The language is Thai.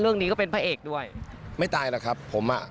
เรื่องนี้ก็เป็นพระเอกด้วยไม่ตายหรอกครับผมอ่ะ